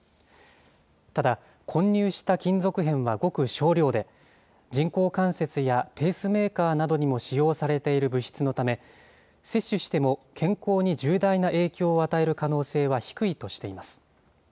ただ、混入した金属片はごく少量で、人工関節やペースメーカーなどにも使用されている物質のため、接種しても健康に重大な影響を与える可能性は低いとしています。